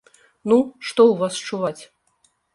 Ну, што ў вас чуваць?